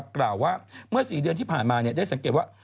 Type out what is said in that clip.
กล่าวว่าเมื่อ๔เดือนที่ผ่านมาได้สังเกตว่า